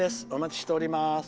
お待ちしております。